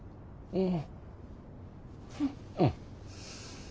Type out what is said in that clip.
うん。